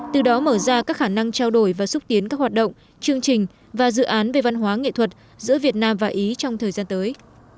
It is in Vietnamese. từ đó mở ra các khả năng trao đổi và xúc tiến các hoạt động chương trình và dự án về văn hóa nghệ thuật giữa việt nam và ý trong thời gian tới